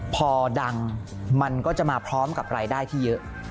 พอดังมันก็จะมาพร้อมกับรายได้ที่เยอะ